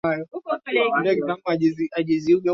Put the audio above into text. hata shabiki anajitolea anampatia